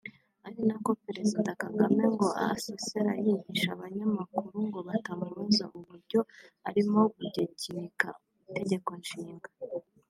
Ari nako Perezida Kagame ngo asesera yihisha abanyamakuru ngo batamubaza uburyo arimo gutgekinika itegeko nshinga